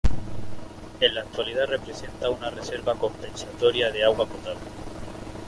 En la actualidad, representa una reserva compensatoria de agua potable.